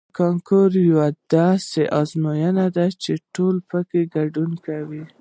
کانکور یوه داسې ازموینه ده چې ټول پکې ګډون لري